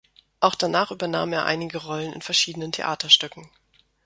Auch danach übernahm er einige Rollen in verschiedenen Theaterstücken.